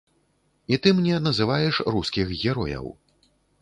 І ты мне называеш рускіх герояў.